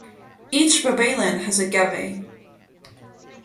Each babaylan has a gabay.